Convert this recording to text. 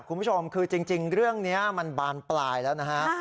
คุณผู้ชมคือจริงเรื่องนี้มันบานปลายแล้วนะฮะ